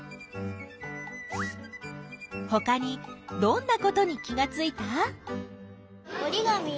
ほかにどんなことに気がついた？